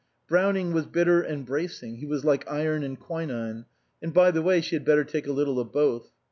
Browning was bitter and bracing, he was like iron and quinine, and by the way she had better take a little of both.